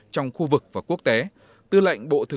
trong khu vực và quốc tế